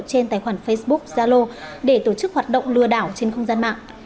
trên tài khoản facebook zalo để tổ chức hoạt động lừa đảo trên không gian mạng